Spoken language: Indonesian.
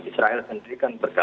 israel sendiri kan berkata